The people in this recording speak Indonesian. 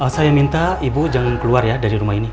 saya minta ibu jangan keluar ya dari rumah ini